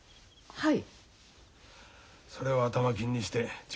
はい。